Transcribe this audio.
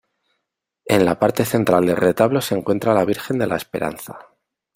En la parte central del retablo se encuentra la Virgen de la Esperanza.